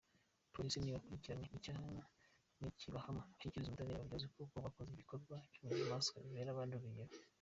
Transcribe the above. Police nibakurikirane icyaha nikibahama bashyikirizwe ubutabera babiryozwe kuko bakoze igikorwa cyubunyamaswa bibere abandi urugero.